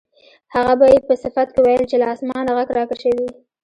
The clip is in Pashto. هغه به یې په صفت کې ویل چې له اسمانه غږ راکشوي.